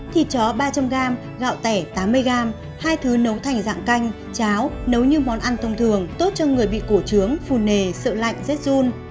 thịt chó ba trăm linh g gạo tẻ tám mươi g hai thứ nấu thành dạng canh cháo nấu như món ăn thông thường tốt cho người bị cổ trướng phù nề sợ lạnh rết run